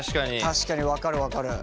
確かに分かる分かる。